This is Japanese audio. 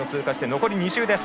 残り２周です。